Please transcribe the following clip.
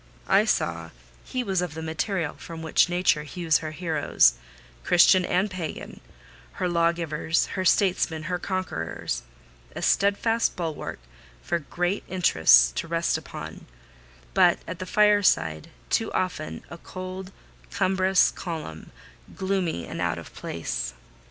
I saw he was of the material from which nature hews her heroes—Christian and Pagan—her lawgivers, her statesmen, her conquerors: a steadfast bulwark for great interests to rest upon; but, at the fireside, too often a cold cumbrous column, gloomy and out of place.